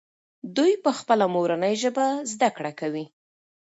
دوی په خپله مورنۍ ژبه زده کړه کوي.